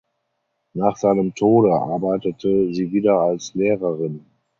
Nach seinem Tode arbeitete sie wieder als Lehrerin.